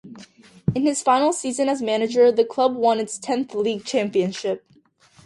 In his final season as manager the club won its tenth league championship.